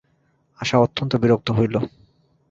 আশা অত্যন্ত বিরক্ত হইল।